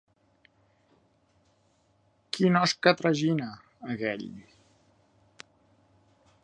Quin os que tragina, aquell!